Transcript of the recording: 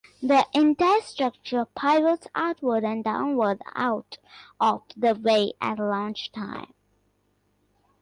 The entire structure pivots outward and downward out of the way at launch time.